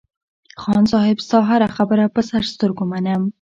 خان صاحب ستا هره خبره په سر سترگو منم.